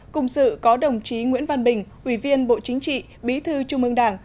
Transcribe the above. cùng sự có đồng chí nguyễn văn bình ủy viên bộ chính trị bí thư trung ương đảng